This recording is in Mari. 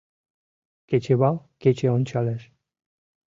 Кечывал кече ончалеш —